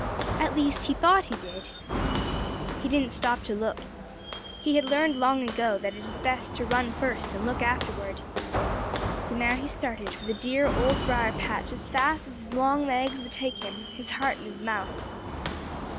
At least, he thought he did. He didn't stop to look. He had learned long ago that it is best to run first and look afterward. So now he started for the dear Old Briar patch as fast as his long legs would take him, his heart in his mouth.